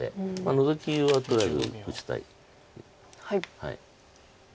ノゾキはとりあえず打ちたい。